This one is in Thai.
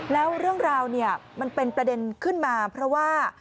แล้วเรื่องราวเนี่ยมันเป็นประเด็นขึ้นมาเพราะว่า